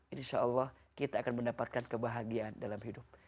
insya allah kita akan mendapatkan kebahagiaan dalam hidup